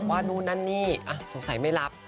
ว่านู่นนั่นนี่สงสัยไม่รับ